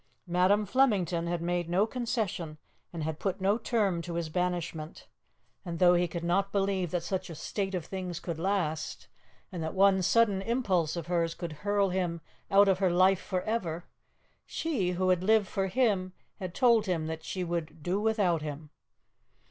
Madam Flemington had made no concession and had put no term to his banishment, and though he could not believe that such a state of things could last, and that one sudden impulse of hers could hurl him out of her life for ever, she, who had lived for him, had told him that she would "do without him."